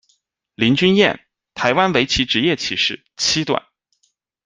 林君谚，台湾围棋职业棋士，七段。